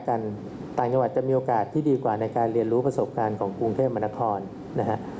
ต่างจังหวัดจะมีโอกาสที่ดีกว่าในการเรียนรู้ประสบการณ์ของกรุงเทพมนครนะฮะ